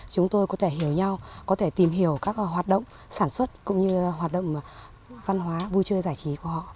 chúng tôi có thể hiểu nhau có thể tìm hiểu các hoạt động sản xuất cũng như hoạt động văn hóa vui chơi giải trí của họ